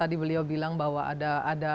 tadi beliau bilang bahwa ada